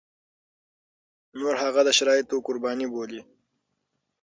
نور هغه د شرايطو قرباني بولي.